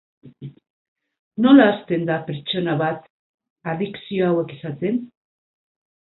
Nola hasten da pertsona bat adikzio hauek izaten?